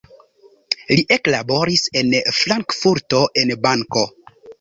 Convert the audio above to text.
Li eklaboris en Frankfurto en banko.